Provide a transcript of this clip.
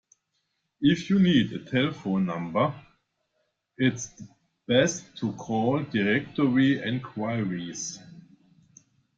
If you need a telephone number, it’s best to call directory enquiries